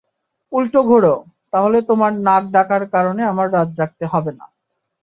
উলটো ঘোরো, তাহলে তোমার নাক ডাকার কারণে আমার রাত জাগতে হবে না।